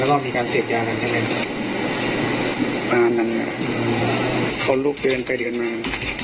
แล้วก็มีการเสียบยากันใช่ไหมภาพนั้นเขาลูกเรื่องไปเรื่องมา